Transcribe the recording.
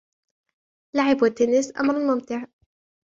لعب التنس أمر ممتع.